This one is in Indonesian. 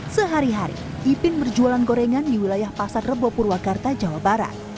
sehari hari ipin berjualan gorengan di wilayah pasar rebo purwakarta jawa barat